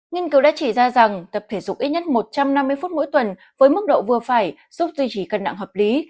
nghiên cứu đã chỉ ra rằng tập thể dục ít nhất một trăm năm mươi phút mỗi tuần với mức độ vừa phải giúp duy trì cân nặng hợp lý